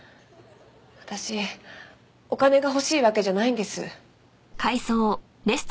私お金が欲しいわけじゃないんです。